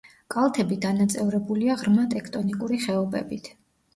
კალთები დანაწევრებულია ღრმა ტექტონიკური ხეობებით.